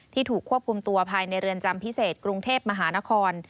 ถูกควบคุมตัวภายในเรือนจำพิเศษกรุงเทพมหานคร